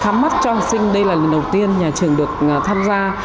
thắm mắt cho học sinh đây là lần đầu tiên nhà trường được tham gia